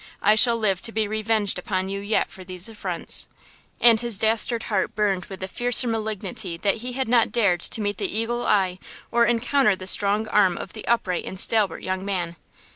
I shall live to be revenged upon you yet for these affronts!" and his dastard heart burned with the fiercer malignity that he had not dared to meet the eagle eye, or encounter the strong arm of the upright and stalwart young man.